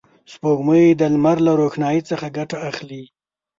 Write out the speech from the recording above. سپوږمۍ د لمر له روښنایي څخه ګټه اخلي